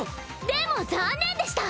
でも残念でした。